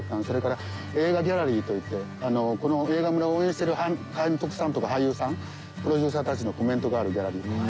それから映画ギャラリーといってこの映画村を応援してる監督さんとか俳優さんプロデューサーたちのコメントがあるギャラリー。